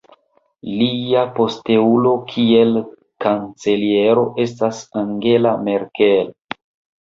Lia posteulo kiel kanceliero estas Angela Merkel.